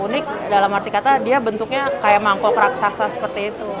unik dalam arti kata dia bentuknya kayak mangkok raksasa seperti itu